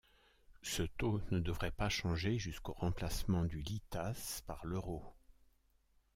Ce taux ne devrait pas changer jusqu'au remplacement du litas par l'euro.